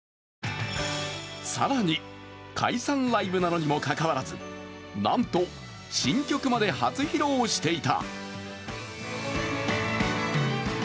更に、解散ライブなのにもかかわらずなんと新曲まで初披露していた。